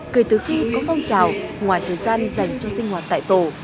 kể từ khi có phong trào ngoài thời gian dành cho sinh hoạt tại tổ